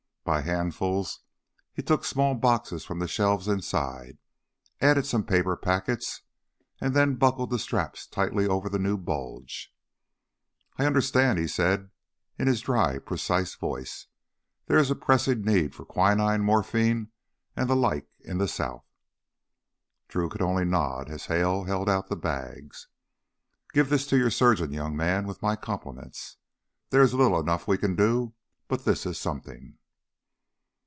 By handfulls he took small boxes from the shelves inside, added some paper packets, and then buckled the straps tightly over the new bulge. "I understand," he said in his dry, precise voice, "there is a pressing need for quinine, morphine, and the like in the South?" Drew could only nod as Hale held out the bags. "Give this to your surgeon, young man, with my compliments. There is little enough we can do, but this is something."